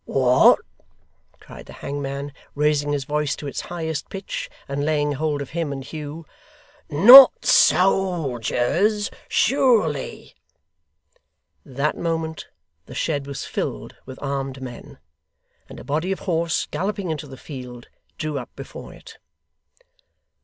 'What!' cried the hangman, raising his voice to its highest pitch, and laying hold of him and Hugh. 'Not SOLDIERS, surely!' That moment, the shed was filled with armed men; and a body of horse, galloping into the field, drew up before it.